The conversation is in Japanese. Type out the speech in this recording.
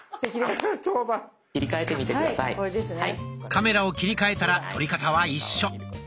カメラを切り替えたら撮り方は一緒。